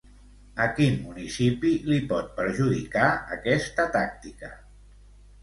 A quin municipi li pot perjudicar aquesta tàctica?